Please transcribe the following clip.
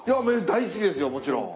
大好きですよもちろん。